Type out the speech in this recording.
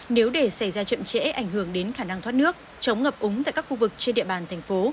nếu để xảy ra chậm trễ ảnh hưởng đến khả năng thoát nước chống ngập úng tại các khu vực trên địa bàn thành phố